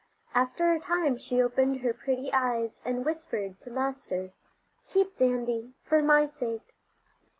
After a time she opened her pretty eyes and whispered to Master: "Keep Dandy for my sake."